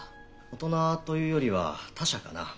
大人というよりは他者かな。